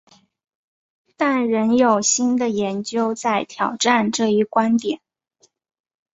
但仍有新的研究在挑战这一观点。